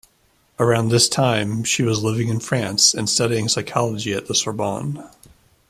Around this time she was living in France and studying psychology at the Sorbonne.